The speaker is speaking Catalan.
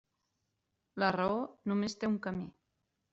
La raó només té un camí.